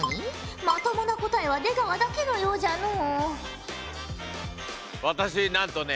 まともな答えは出川だけのようじゃのう。